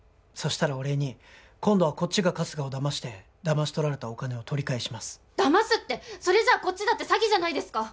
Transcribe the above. したらお礼に今度はこっちが春日をだましてだまし取られたお金を取り返します「だます」ってそれじゃこっちだって詐欺じゃないですか